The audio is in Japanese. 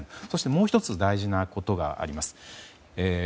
そして、もう１つ大事なことがあります。